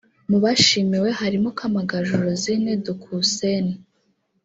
Mu bashimiwe harimo Kamagaju Rosine Duquesne